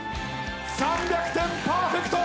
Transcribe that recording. ３００点パーフェクト。